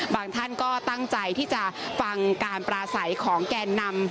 ท่านก็ตั้งใจที่จะฟังการปราศัยของแกนนำ